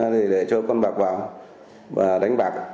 để cho con bạc vào và đánh bạc